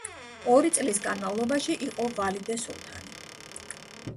ორი წლის განმავლობაში იყო ვალიდე სულთანი.